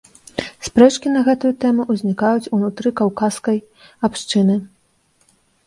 Спрэчкі на гэтую тэму ўзнікаюць ўнутры каўказскай абшчыны.